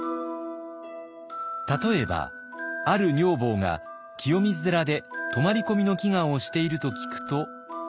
例えばある女房が清水寺で泊まり込みの祈願をしていると聞くと。